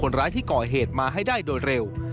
ร้ายที่ก่อเหตุมาให้ได้โดยเร็ว